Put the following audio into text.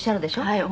はい。